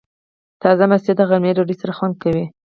تازه مستې د غرمې ډوډۍ سره خوند کوي.